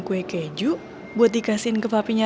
kue keju buat dikasihin ke papinya